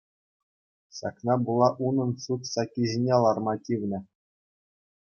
Ҫакна пула унӑн суд сакки ҫине ларма тивнӗ.